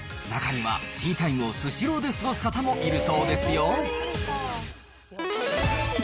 中には、ティータイムをスシローで過ごす方もいるそうですよ。